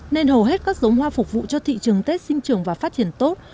nên hầu hết các giống hoa phục vụ cho thị trường tết sinh trưởng và phát triển tốt